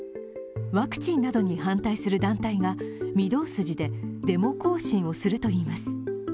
ワクチンなどに反対する団体が御堂筋でデモ行進をするといいます。